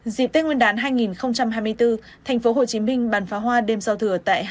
dịp tết nguyên đán hai nghìn hai mươi bốn tp hcm bàn phá hoa đêm giao thừa tại hai